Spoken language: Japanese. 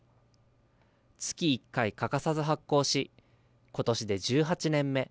月１回、欠かさず発行し、ことしで１８年目。